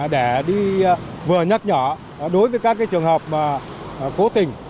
để đi vừa nhắc nhở đối với các trường hợp cố tình